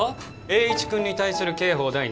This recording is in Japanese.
栄一君に対する刑法